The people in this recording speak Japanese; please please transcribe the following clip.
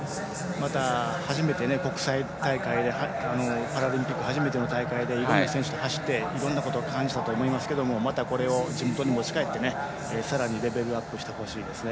また、初めて国際大会でパラリンピック初めての大会でいろいろな選手と走っていろいろなことを感じたと思いますがまたこれを地元に持ち帰ってさらにレベルアップしてほしいですね。